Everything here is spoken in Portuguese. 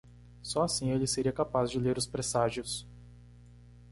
Só assim ele seria capaz de ler os presságios.